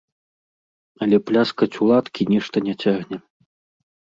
Але пляскаць у ладкі нешта не цягне.